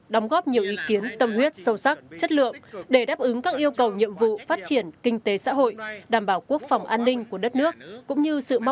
đóng góp nhiều ý kiến tâm huyết sâu sắc chất lượng để đáp ứng các yêu cầu nhiệm vụ phát triển